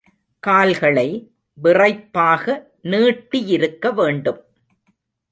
கால்களை விறைப்பாக நீட்டியிருக்க வேண்டும்.